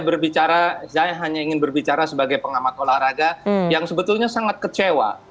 berbicara saya hanya ingin berbicara sebagai pengamat olahraga yang sebetulnya sangat kecewa